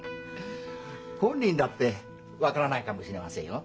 本人だって分からないかもしれませんよ。